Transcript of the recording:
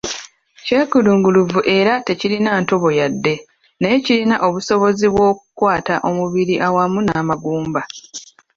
Kyekulungirivu era tekirina ntobo yadde naye kirina obusobozi bw’okukwata awamu omubiri n’amagumba.